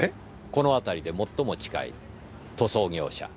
この辺りで最も近い塗装業者。